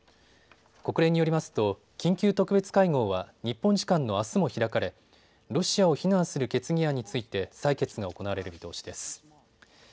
国連によりますと緊急特別会合は日本時間のあすも開かれロシアを非難する決議案について採決が行われる見通しです。